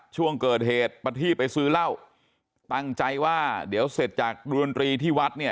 ช่วงเกิดเหตุประทีบไปซื้อเหล้าตั้งใจว่าเดี๋ยวเสร็จจากดูดนตรีที่วัดเนี่ย